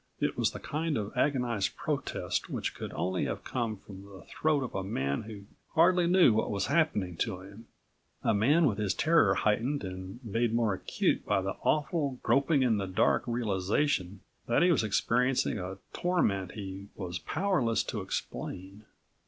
It was the kind of agonized protest which could only have come from the throat of a man who hardly knew what was happening to him ... a man with his terror heightened and made more acute by the awful, groping in the dark realization that he was experiencing a torment he was powerless to explain.